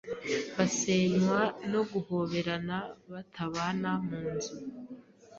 Basenywa no guhoberana batabana munzu